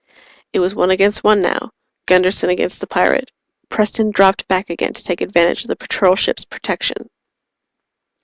It was one against one, now Gunderson against the pirate. Preston dropped back again to take advantage of the Patrol ship's protection.